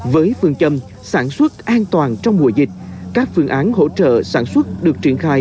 với phương châm sản xuất an toàn trong mùa dịch các phương án hỗ trợ sản xuất được triển khai